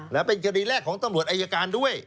และเป็นคดีแรกของตำรวจอายการด้วย